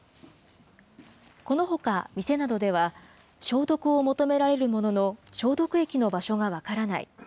このほか、店などでは消毒を求められるものの、消毒液の場所が分からない。